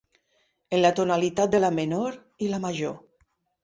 En la tonalitat de la menor i la major.